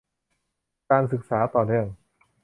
การศึกษาต่อเนื่อง